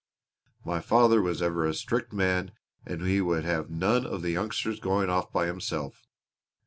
My father was ever a strict man and he would have none of the youngster's going off by himself.